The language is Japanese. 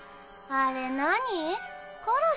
あれなに？